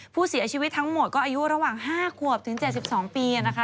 ผู้เสียชีวิตทั้งหมดก็อายุระหว่าง๕ขวบถึง๗๒ปีนะคะ